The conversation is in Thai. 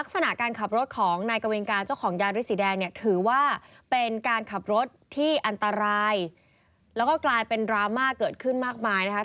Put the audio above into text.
เขาบอกว่าแต่นี่เป็นชื่ออะไรนะน้องฟื้อง